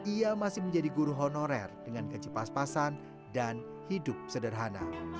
ia masih menjadi guru honorer dengan kecepas pasan dan hidup sederhana